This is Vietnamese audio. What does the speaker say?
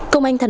công an tp hcm